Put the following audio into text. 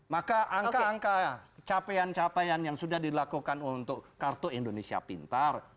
maka angka angka capaian capaian yang sudah dilakukan untuk kartu indonesia pintar